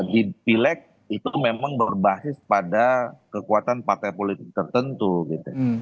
di pileg itu memang berbasis pada kekuatan partai politik tertentu gitu